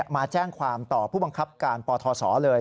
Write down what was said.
มาแจ้งความต่อผู้บังคับการปทศเลย